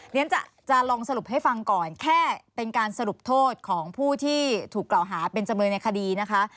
เรียนจะลองสรุปให้ฟังก่อนแค่เป็นการสรุปโทษของผู้ที่ถูกกล่าวหาเป็นจำเลยในคดีนะคะ